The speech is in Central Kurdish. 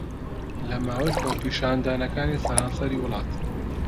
لە ماوەی خۆپیشاندانەکانی سەرانسەری وڵات